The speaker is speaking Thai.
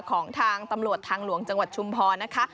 ของทางตำรวจทางหลวงจังหวัดชุมพรนะคะ